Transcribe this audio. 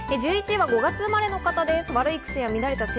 １１位は５月生まれの方です。